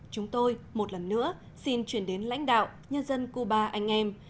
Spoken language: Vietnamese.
chúng tôi một lần nữa xin chuyển đến lãnh đạo nhân dân cuba anh em